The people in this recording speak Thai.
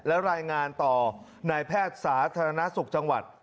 และรายงานต่อนายแพทย์สาธารณสุขจังหวัด